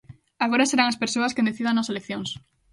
Agora serán as persoas quen decidan nas eleccións.